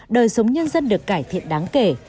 đời sống nhân dân được cải thiện đáng kể